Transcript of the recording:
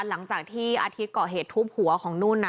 หลังจากที่อาทิตย์ก่อเหตุทุบหัวของนุ่น